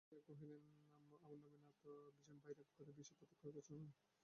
রসিক হাসিয়া কহিলেন, আমার নবীনতা বাইরে থেকে বিশেষ প্রত্যক্ষগোচর নয়– অক্ষয়।